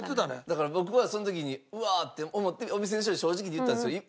だから僕はその時にうわっ！って思ってお店の人に正直に言ったんですよ。